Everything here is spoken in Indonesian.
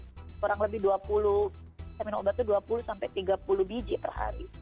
kurang lebih dua puluh kami obatnya dua puluh sampai tiga puluh biji per hari